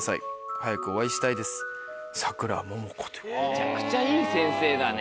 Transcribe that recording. めちゃくちゃいい先生だね